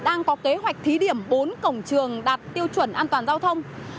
đang có kế hoạch thí điểm bốn cổng trường đạt tiêu chuẩn an toàn giao thông